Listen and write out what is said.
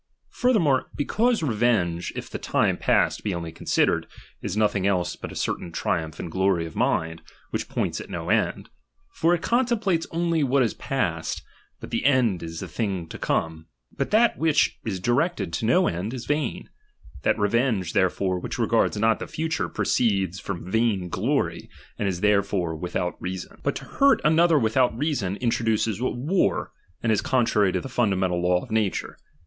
Furthermore, because revenge, if the time past be only considered, is nothing else but a certain triumph and glory of mind, which points at no end ; for it contemplates only what is past, but the end is a thing to come ; but that which is directed to no end, is vain : that revenge therefore which regards not the future, proceeds from vain glory, and is therefore without reason. Uwofn nguuirt I But to hurt another without reason, introduces a war, and is contrary to the fundamental law of nature.